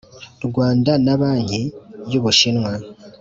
Rwanda na banki y ubushinwa